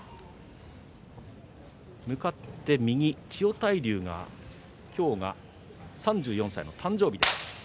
向かって右の千代大龍が今日が３４歳の誕生日。